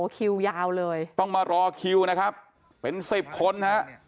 คิวยาวเลยต้องมารอคิวนะครับเป็นสิบคนฮะ